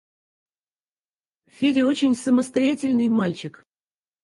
Федя очень самостоятельный мальчик.